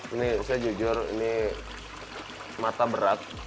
ini saya jujur ini mata berat